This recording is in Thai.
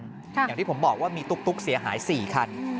อย่างที่ผมบอกว่ามีตุ๊กเสียหาย๔คัน